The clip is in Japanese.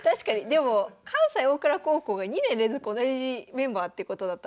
でも関西大倉高校が２年連続同じメンバーってことだったので。